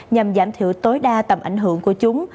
nhằm giảm thiểu tối đa tầm ảnh hưởng của chúng